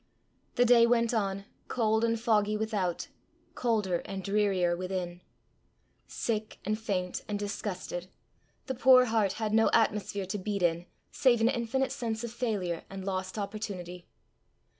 The day went on, cold and foggy without, colder and drearier within. Sick and faint and disgusted, the poor heart had no atmosphere to beat in save an infinite sense of failure and lost opportunity.